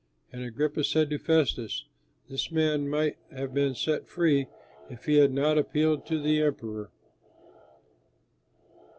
And Agrippa said to Festus, "This man might have been set free if he had not appealed to the Emperor."